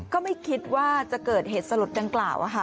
ก็ไม่คิดว่าจะเกิดเหตุสลดดังกล่าว